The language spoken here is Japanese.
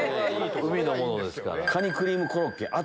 海のものですから。